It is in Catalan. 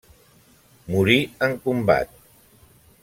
Morí en combat.